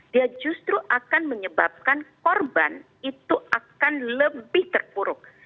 dia justru akan menyebabkan korban itu akan lebih terpuruk